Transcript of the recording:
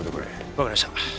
わかりました。